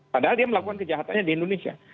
padahal dia melakukan kejahatannya di indonesia